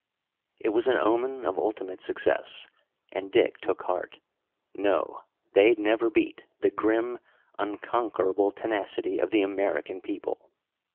It was an omen of ultimate success, and Dick took heart. No, they'd never beat the grim, unconquerable tenacity of the American people.